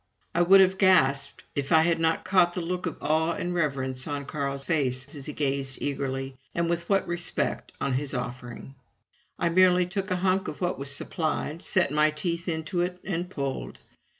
I would have gasped if I had not caught the look of awe and reverence on Carl's face as he gazed eagerly, and with what respect, on his offering. I merely took a hunk of what was supplied, set my teeth into it, and pulled.